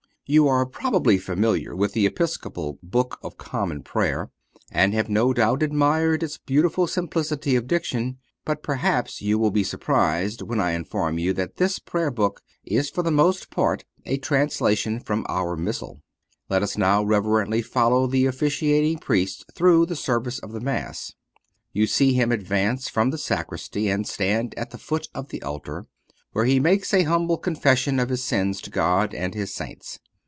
You are probably familiar with the Episcopal Book of Common Prayer, and have no doubt admired its beautiful simplicity of diction. But perhaps you will be surprised when I inform you that this Prayer Book is for the most part a translation from our Missal. Let us now reverently follow the officiating Priest through the service of the Mass. You see him advance from the sacristy and stand at the foot of the altar, where he makes an humble confession of his sins to God and His saints.